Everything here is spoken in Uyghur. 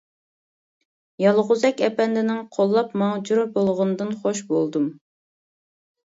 يالغۇزەك ئەپەندىنىڭ قوللاپ، ماڭا جور بولغىنىدىن خۇش بولدۇم.